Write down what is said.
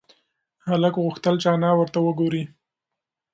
هلک غوښتل چې انا ورته وگوري.